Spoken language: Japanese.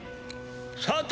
さて